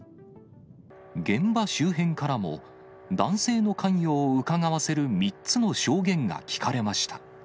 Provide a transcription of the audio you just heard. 現場周辺からも、男性の関与をうかがわせる３つの証言が聞かれました。